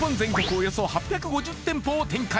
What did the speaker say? およそ８５０店舗を展開